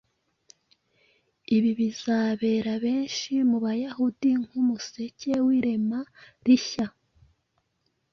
ibi bizabera benshi mu Bayahudi nk’umuseke w’irema rishya,